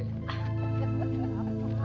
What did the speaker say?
ya ampun pak